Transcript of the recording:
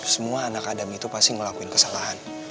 semua anak adam itu pasti ngelakuin kesalahan